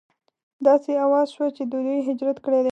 داسې اوازه شوه چې دوی هجرت کړی دی.